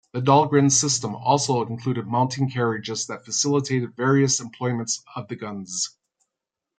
The Dahlgren system also included mounting carriages that facilitated various employments of the guns.